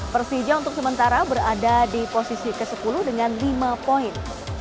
persija untuk sementara berada di posisi ke sepuluh dengan lima poin